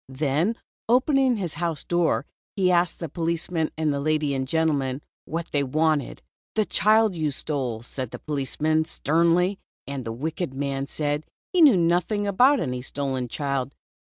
Then opening his house door, he asked the policeman and the lady and gentleman what they wanted. "The child you stole," said the policeman, sternly, and the wicked man said he knew nothing about "any stolen child."